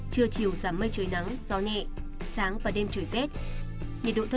trưa chiều giảm mây trời nắng gió nhẹ sáng và đêm trời rét